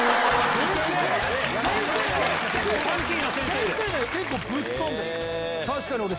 先生⁉結構ぶっ飛んでる。